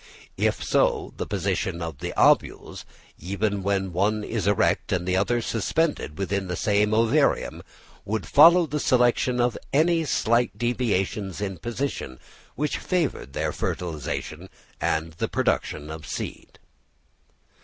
If so, the position of the ovules, even when one is erect and the other suspended within the same ovarium, would follow the selection of any slight deviations in position which favoured their fertilisation, and the production of seed.